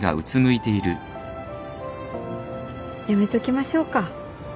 やめときましょうか。